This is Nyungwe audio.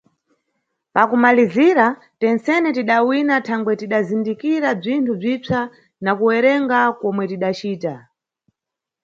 Pakumalizira, tentsene tidawina thangwe tidazindikira bzinthu bzipsa na kuwerenga komwe tidacita.